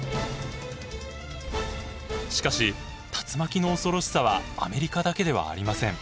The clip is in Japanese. しかし竜巻の恐ろしさはアメリカだけではありません。